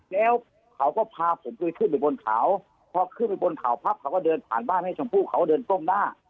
แล้วเขาก็พาผมไปขึ้นไปบนเขาพอขึ้นไปบนเขาปั๊บเขาก็เดินผ่านบ้านให้ชมพู่เขาเดินก้มหน้า